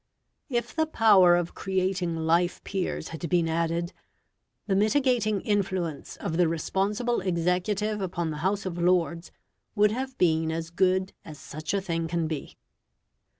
If the power of creating life peers had been added, the mitigating influence of the responsible executive upon the House of Lords would have been as good as such a thing can be.